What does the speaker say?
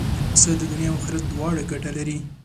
پسه د دنیا او آخرت دواړو ګټه لري.